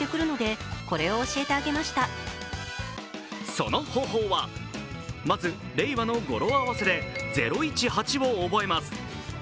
その方法は、まず令和の語呂合わせで０１８を覚えます。